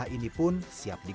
airnya akan lebih sedikit